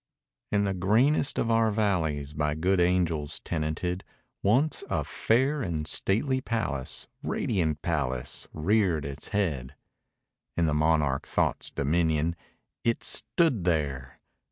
In the greenest of our valleys By good angels tenanted, Once a fair and stately palace Radiant palace reared its head. In the monarch Thought's dominion It stood there!